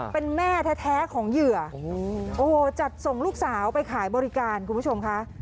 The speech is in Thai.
เป็นแม่แท้ของเหยื่อโอ้โหจัดส่งลูกสาวไปขายบริการคุณผู้ชมค่ะ